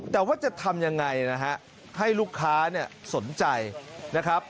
แต่ว่าจะทำยังไงนะฮะให้ลูกค้าเนี่ยสนใจนะครับ